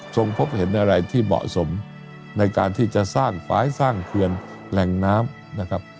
พบเห็นอะไรที่เหมาะสมในการที่จะสร้างฝ่ายสร้างเขื่อนแหล่งน้ำนะครับ